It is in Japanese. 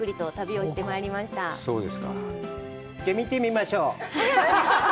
じゃあ、見てみましょう。